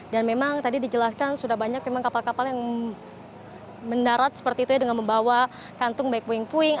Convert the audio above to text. dan memang tadi dijelaskan sudah banyak memang kapal kapal yang mendarat seperti itu ya dengan membawa kantung baik puing puing